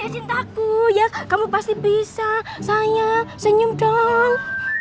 cintaku ya kamu pasti bisa saya senyum dong